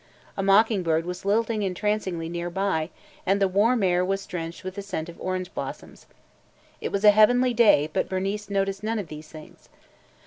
A mocking bird was lilting entrancingly near by and the warm air was drenched with the scent of orange blossoms. It was a heavenly day, but Bernice noticed none of these things.